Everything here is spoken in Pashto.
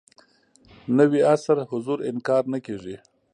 نوي عصر حضور انکار نه کېږي.